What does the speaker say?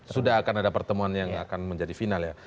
sudah akan ada pertemuan yang akan menjadi final ya